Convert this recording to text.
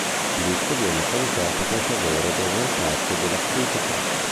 Il disco viene salutato con favore da gran parte della critica.